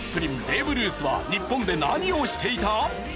ベーブ・ルースは日本で何をしていた？